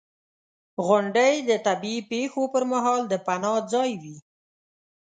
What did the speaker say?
• غونډۍ د طبعي پېښو پر مهال د پناه ځای وي.